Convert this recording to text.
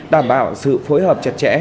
đảm bảo sự phối hợp chặt chẽ